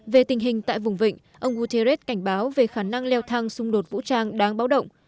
về tình hình tại vùng vịnh ông guterres cảnh báo về khả năng leo thang xung đột vũ trang đáng báo động